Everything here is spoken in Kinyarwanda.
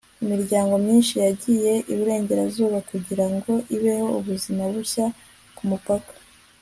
imiryango myinshi yagiye iburengerazuba kugirango ibeho ubuzima bushya kumupaka